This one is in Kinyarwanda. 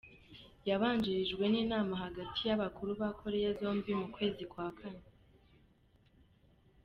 Yabanjirijwe n'inama hagati y'abakuru ba Korea zombi mu kwezi kwa kane.